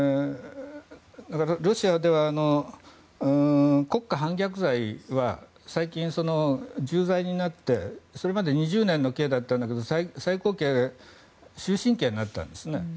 ロシアでは国家反逆罪は最近、重罪になってそれまで２０年の刑だったのが最高刑が終身刑になったんですね。